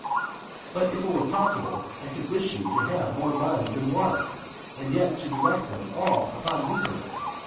But if it were possible, I could wish you to have more minds than one, and yet to direct them all upon Mutina.